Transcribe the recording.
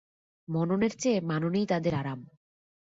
মননের চেয়ে মাননেই তাদের আরাম।